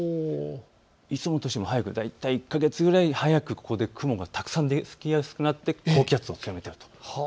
いつもの年よりも早く、大体１か月くらい早く雲がたくさんできやすくなって高気圧を強めると。